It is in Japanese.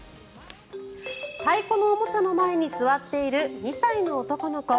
太鼓のおもちゃの前に座っている２歳の男の子。